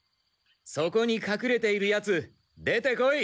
そこにかくれているヤツ出てこい！